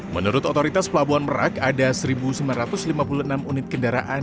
menurut otoritas pelabuhan merak ada satu sembilan ratus lima puluh enam unit kendaraan